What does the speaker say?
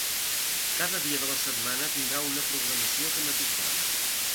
Cada dia de la setmana tindrà una programació tematitzada.